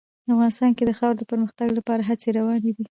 افغانستان کې د خاورې د پرمختګ لپاره هڅې روانې دي.